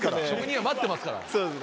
職人は待ってますから。